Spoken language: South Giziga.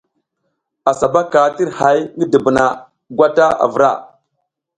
Assa ɓa tir hay ngi dubuna gwata a vra.